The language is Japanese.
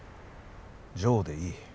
ジョーでいい。